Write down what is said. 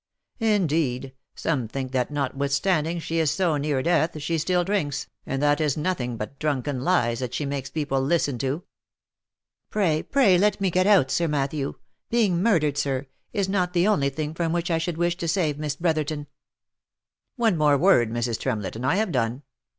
Indeed some think that notwithstanding she is so near death she still drinks, and that it is nothing but drunken lies that she makes people listen to." " Pray, pray let me get out, Sir Matthew ! Being murdered, sir, is not the only thing from which I should wish to save Miss Bro therton." " One word more, Mrs. Tremlett, and I have done.